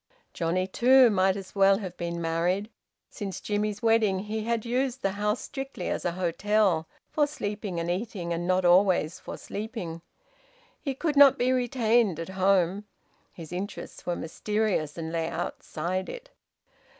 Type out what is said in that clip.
Johnnie, too, might as well have been married. Since Jimmie's wedding he had used the house strictly as a hotel, for sleeping and eating, and not always for sleeping. He could not be retained at home. His interests were mysterious, and lay outside it.